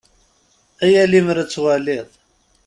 Ay a limer ad twaliḍ!